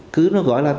cứ nó gọi là